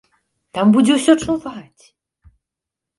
Там будзе ўсё чуваць!